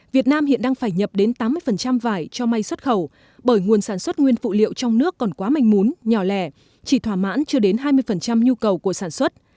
việt nam hiện đang phải nhập đến tám mươi vải cho may xuất khẩu bởi nguồn sản xuất nguyên phụ liệu trong nước còn quá mạnh mún nhỏ lẻ chỉ thỏa mãn chưa đến hai mươi nhu cầu của sản xuất